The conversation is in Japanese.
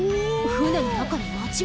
船の中に町が。